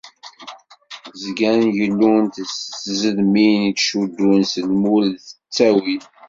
Zgan gellun-d s tzedmin i ttcuddun s lmul d ttawil.